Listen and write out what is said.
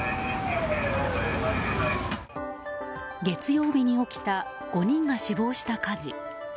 月曜日に起きた５人が死亡した火事。